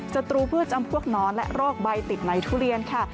ศัตรูพืชจำพวกนอนและโรคใบติดในทุเรียนค่ะ